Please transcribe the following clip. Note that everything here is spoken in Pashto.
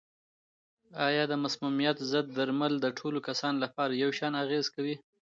آیا د مسمومیت ضد درمل د ټولو کسانو لپاره یو شان اغېزه کوي؟